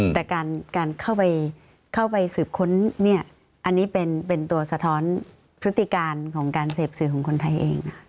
แต่การเข้าไปสืบค้นเนี่ยอันนี้เป็นตัวสะท้อนพฤติการของการเสพสื่อของคนไทยเอง